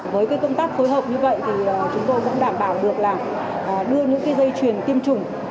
với công tác phối hợp như vậy thì chúng tôi cũng đảm bảo được là đưa những dây chuyền tiêm chủng